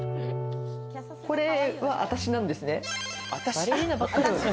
これは私なんですね。